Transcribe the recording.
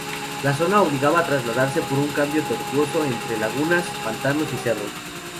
La zona obligaba a trasladarse por un camino tortuoso entre lagunas, pantanos y cerros.